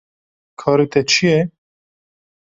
Karê te çi ye?